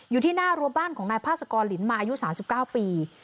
อยู่ที่หน้ารั้วบ้านของนายพาสกรลินมาอายุสามสิบเก้าปี